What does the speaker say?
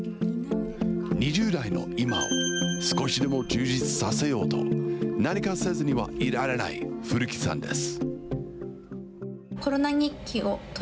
２０代の今を、少しでも充実させようと、何かせずにはいられない古木さんです。